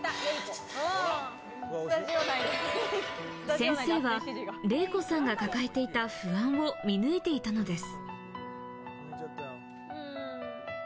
先生はレイコさんが抱えていた不安を見抜いていたのです。